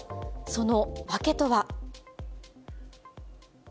その訳とは。